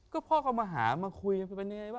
ก็พ่อก็มาหามาคุยยังเป็นไงวะ